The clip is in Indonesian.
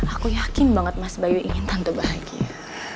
aku yakin banget mas bayu ingin tante bahagia